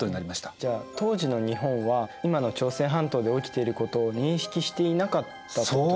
じゃあ当時の日本は今の朝鮮半島で起きていることを認識していなかったってことですか？